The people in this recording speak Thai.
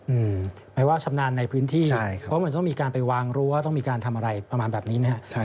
หมายว่าชำนาญในพื้นที่ใช่เพราะมันต้องมีการไปวางรั้วต้องมีการทำอะไรประมาณแบบนี้นะครับ